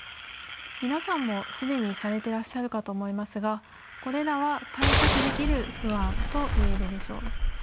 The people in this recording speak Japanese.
皆さんも既にされてらっしゃるかと思いますがこれらは対策できる不安と言えるでしょう。